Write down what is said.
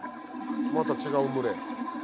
また違う群れ。